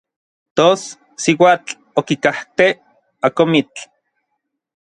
Tos n siuatl okikajtej n akomitl.